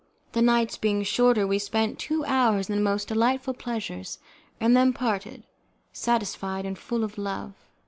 The nights being shorter we spent two hours in the most delightful pleasures, and then parted, satisfied and full of love.